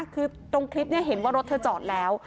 คือตรงคลิปนี้เห็นว่ารถเธอจอดแล้ว